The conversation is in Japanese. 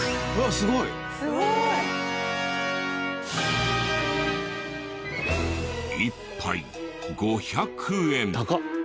すごい！１杯５００円。